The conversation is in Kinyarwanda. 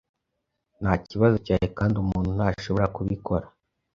ntakibazo cyawe kandi umuntu ntashobora kubikora